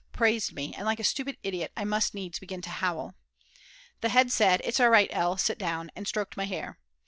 praised me, and like a stupid idiot I must needs begin to howl. The head said: "It's all right L., sit down," and stroked my hair.